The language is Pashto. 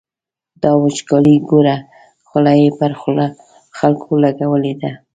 دا وچکالي ګوره، خوله یې پر خلکو لګولې ده.